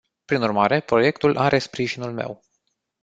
Prin urmare, proiectul are sprijinul meu.